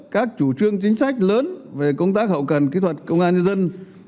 các chủ trương chính sách lớn về công tác hậu cần kỹ thuật công an nhân dân